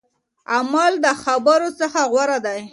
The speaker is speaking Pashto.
عمل د خبرو څخه غوره دی.